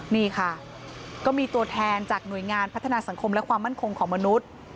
นี่ค่ะก็มีตัวแทนจากหน่วยงานพัฒนาสังคมและความมั่นคงของมนุษย์